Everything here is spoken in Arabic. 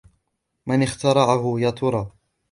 من اخترعه يا ترى ؟